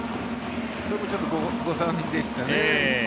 そこは誤算でしたね。